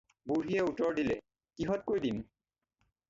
"বুঢ়ীয়ে উত্তৰ দিলে- "কিহতকৈ দিম?"